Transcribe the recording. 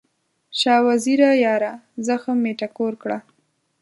شاه وزیره یاره، زخم مې ټکور کړه